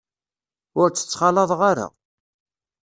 Ur tt-ttxalaḍeɣ ara.